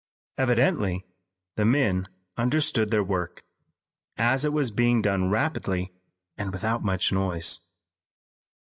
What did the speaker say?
Evidently the men understood their work, as it was being done rapidly and without much noise.